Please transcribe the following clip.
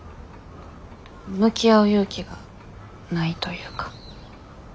向き合う勇気がないというか。